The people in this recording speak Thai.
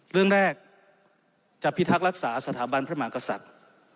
เรื่องแรกจะพิทักษ์รักษาสถาบันพระมหากษัตริย์